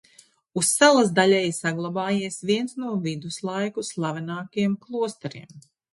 Uz salas daļēji saglabājies viens no viduslaiku slavenākajiem klosteriem.